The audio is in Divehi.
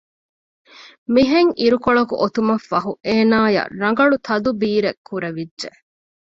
މިހެން އިރުކޮޅަކު އޮތުމަށް ފަހު އޭނާޔަށް ރަނގަޅު ތަދުބީރެއް ކުރެވިއްޖެ